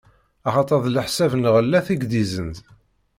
Axaṭer d leḥsab n lɣellat i k-d-izzenz.